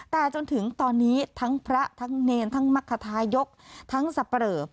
แต่จนถึงตอนนี้ทั้งพระทั้งเนรทั้งมรคทายกทั้งสับเปรอ